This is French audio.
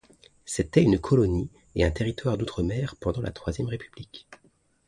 C'était une colonie et un territoire d'outre-mer pendant la Troisième République.